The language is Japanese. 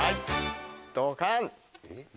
ドカン！